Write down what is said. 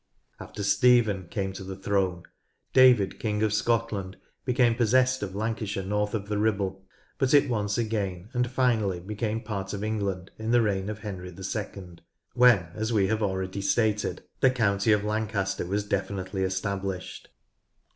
After Stephen came to the throne, David King of Scotland became possessed of Lancashire north of the Ribble, but it once again and finally became part of England in the reign of Henry II, when, as we have already stated, " the County of Lan caster " was definitely established.